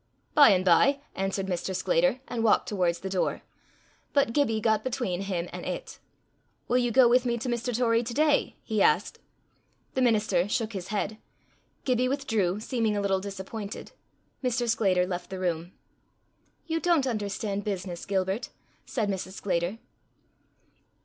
"By and by," answered Mr. Sclater, and walked towards the door. But Gibbie got between him and it. "Will you go with me to Mr. Torrie to day?" he asked. The minister shook his head. Gibbie withdrew, seeming a little disappointed. Mr. Sclater left the room. "You don't understand business, Gilbert," said Mrs. Sclater.